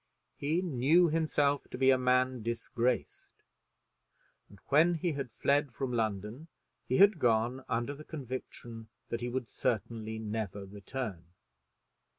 He knew himself to be a man disgraced, and when he had fled from London he had gone under the conviction that he would certainly never return.